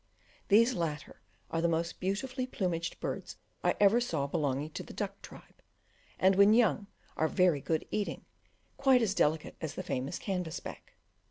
These latter are the most beautiful plumaged birds I ever saw belonging to the duck tribe, and, when young, are very good eating, quite as delicate as the famous canvas back.